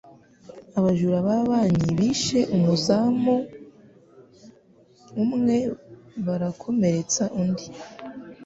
Abajura ba banki bishe umuzamu umwe barakomeretsa undi.